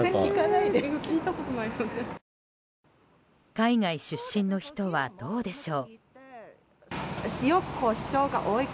海外出身の人はどうでしょう。